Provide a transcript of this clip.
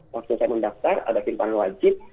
waktu saya mendaftar ada simpan wajib